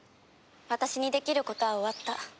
私にできることは終わった。